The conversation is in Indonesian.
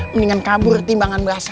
mendingan kabur timbangan berasa